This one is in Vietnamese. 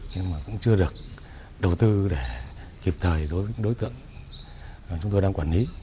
nhưng mà cũng chưa được đầu tư để kịp thời đối với đối tượng chúng tôi đang quản lý